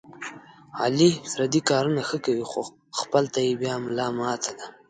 علي پردي کارونه ښه کوي، خو خپل ته یې بیا ملا ماته ده.